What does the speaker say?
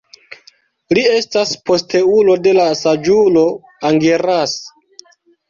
Li estas posteulo de la saĝulo Angiras.